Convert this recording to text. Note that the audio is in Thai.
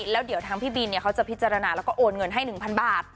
แล้วเดี๋ยวทางพี่บินเนี่ยเขาจะพิจารณาแล้วก็โอนเงินให้หนึ่งพันบาท